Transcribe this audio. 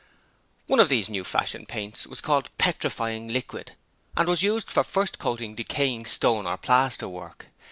One of these new fashioned paints was called 'Petrifying Liquid', and was used for first coating decaying stone or plaster work.